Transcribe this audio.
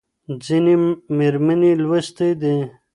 ځینې مېرمنې لوستې دي.